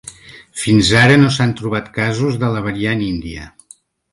Fins ara no s’han trobat casos de la variant índia.